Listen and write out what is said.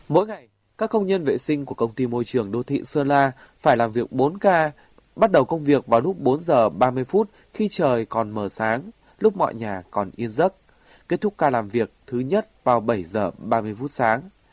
mỗi ngày các công nhân vệ sinh của công ty môi trường đô thị sơn la phải làm việc bốn k bắt đầu công việc vào lúc bốn giờ ba mươi phút khi trời còn mờ sáng lúc mọi nhà còn yên giấc kết thúc ca làm việc thứ nhất vào bảy h ba mươi phút sáng